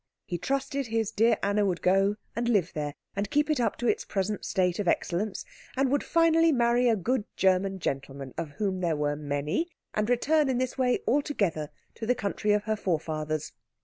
He trusted his dear Anna would go and live there, and keep it up to its present state of excellence, and would finally marry a good German gentleman, of whom there were many, and return in this way altogether to the country of her forefathers.